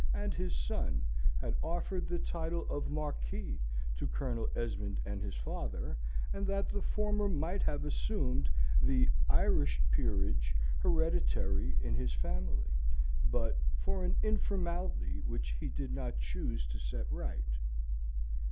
and his son had offered the title of Marquis to Colonel Esmond and his father, and that the former might have assumed the (Irish) peerage hereditary in his family, but for an informality which he did not choose to set right.